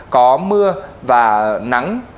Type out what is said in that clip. có mưa và nắng